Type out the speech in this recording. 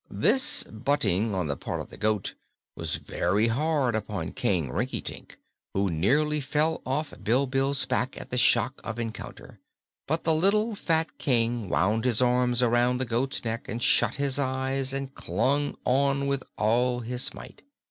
This butting on the part of the goat was very hard upon King Rinkitink, who nearly fell off Bilbil's back at the shock of encounter; but the little fat King wound his arms around the goat's neck and shut his eyes and clung on with all his might.